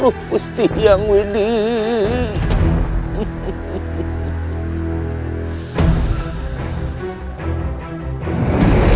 ruh pustih yang wedih